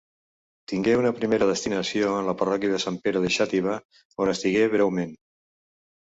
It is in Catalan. Tingué una primera destinació en la parròquia de Sant Pere de Xàtiva, on estigué breument.